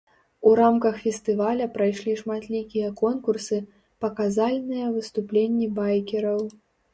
У рамках фестываля прайшлі шматлікія конкурсы, паказальныя выступленні байкераў.